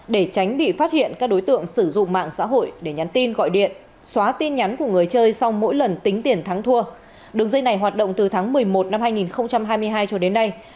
để tránh bị phát hiện các đối tượng sử dụng mạng xã hội để nhắn tin gọi điện xóa tin nhắn của người chơi sau mỗi lần tính tiền thắng thua đường dây này hoạt động từ tháng một mươi một năm hai nghìn hai mươi hai cho đến nay